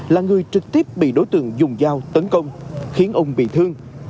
là người trực tiếp bị đối tượng dùng dao tấn công khiến ông bị thương